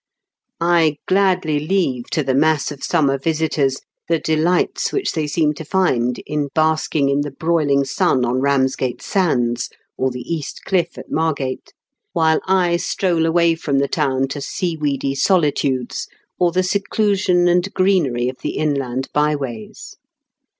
I gladly leave to SUNSET ON THE SEA, 267 the mass of summer visitors the delights which they seem to find in basking in the broiling sun on Kamsgate sands or the East Cliff at Margate, while I stroll away from the town to seaweedy solitudes, or the seclusion and greenery of the inland by ways.